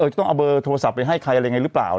จะต้องเอาเบอร์โทรศัพท์ไปให้ใครอะไรยังไงหรือเปล่า